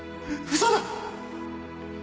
嘘だ！！